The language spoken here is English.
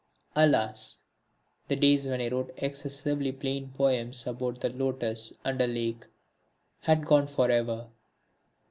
Alas! The days when I wrote excessively plain poems about The Lotus and A Lake had gone forever.